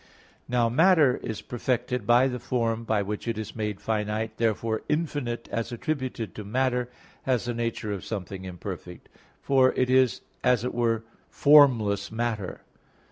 Now matter is perfected by the form by which it is made finite; therefore infinite as attributed to matter, has the nature of something imperfect; for it is as it were formless matter.